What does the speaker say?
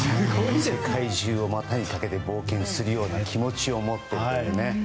世界中を股にかけて冒険するような気持ちを持っているというね。